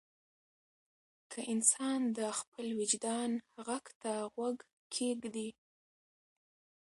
که انسان د خپل وجدان غږ ته غوږ کېږدي.